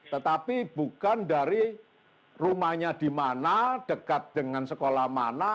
tetapi bukan dari rumahnya di mana dekat dengan sekolah mana